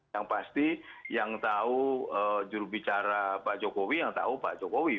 yang pasti yang tahu jurubicara pak jokowi yang tahu pak jokowi